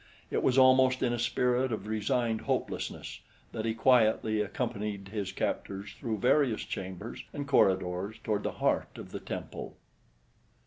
It was almost in a spirit of resigned hopelessness that he quietly accompanied his captors through various chambers and corridors toward the heart of the temple.